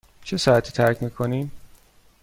چه ساعتی ترک می کنیم؟